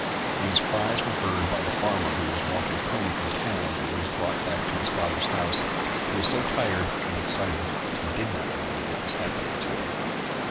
When his cries were heard by a farmer who was walking home from town and he was brought back to his father's house, he was so tired and excited that he did not know what was happening to him.